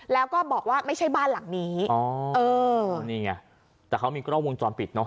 แล้วก็บอกว่าไม่ใช่บ้านหลังนี้อ๋อเออนี่ไงแต่เขามีกล้องวงจรปิดเนาะ